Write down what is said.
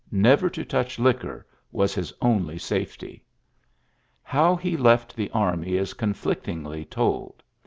Never to touch liquor was his only safety. How he left the army is conflictingly told.